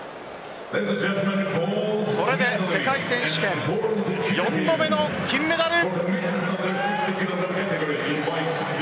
これで世界選手権４度目の金メダル。